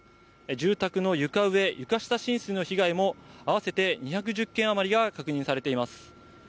住宅の床上・床下浸水の被害も合わせて２１０件あまりが確認されています。